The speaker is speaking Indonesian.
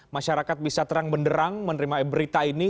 masyarakat bisa terang benderang menerima berita ini